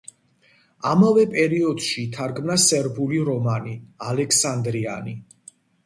ამავე პერიოდში ითარგმნა სერბული რომანი „ალექსანდრიანი“.